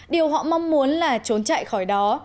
điều họ mong muốn là trốn chạy khỏi đó